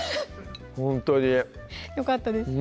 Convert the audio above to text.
ほんとによかったです